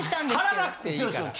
張らなくていいから。